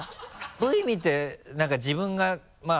Ｖ見て何か自分が本当